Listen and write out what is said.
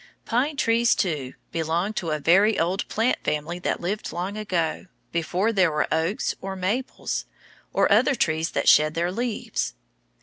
Pine trees, too, belong to a very old plant family that lived long ago, before there were oaks or maples, or other trees that shed their leaves.